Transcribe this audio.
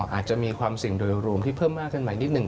อ๋ออาจจะมีความสิ่งโดยรวมที่เพิ่มมากกันหน่อยนิดหนึ่ง